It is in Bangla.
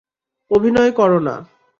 অভিনয় করো না।